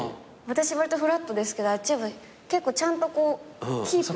私わりとフラットですけどあっちは結構ちゃんとこうキープしたいタイプ。